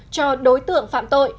cho đối tượng phạm tội